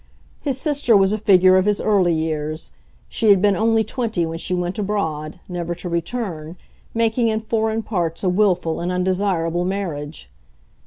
His sister was a figure of his early years; she had been only twenty when she went abroad, never to return, making in foreign parts a willful and undesirable marriage.